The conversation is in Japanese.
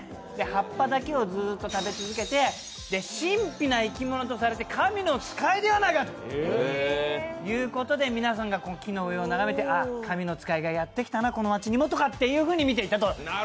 葉っぱだけをずっと食べ続けて神秘な生き物とされて、神の使いではないかということで皆さんが木の上を眺めて神様の使いがやってきたな、この街にもっていうふうに見ていたと。